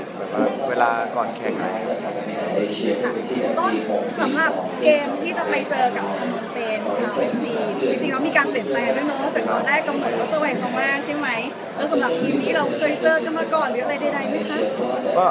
คือเวลาก่อนแค่ไหน